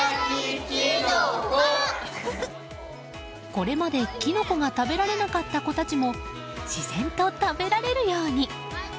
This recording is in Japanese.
これまで、キノコが食べられなかった子たちも自然と食べられるように。